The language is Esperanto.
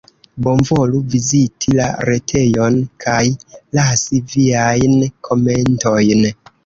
Bonvolu viziti la retejon kaj lasi viajn komentojn!